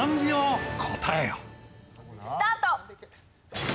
スタート！